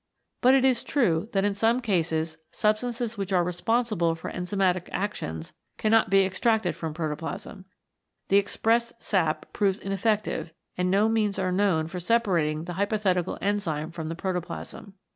But it is true that in some cases substances which are responsible for enzymatic actions cannot be extracted from protoplasm. The expressed sap proves ineffective and no means are known for separating the hypothetical enzyme from the protoplasm.